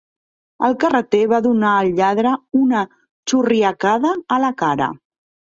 El carreter va donar al lladre una xurriacada a la cara.